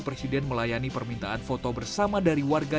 presiden melayani permintaan foto bersama dari warga